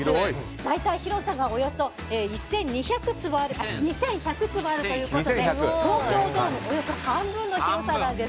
大体、広さがおよそ２１００坪あるということで東京ドームおよそ半分の広さなんです。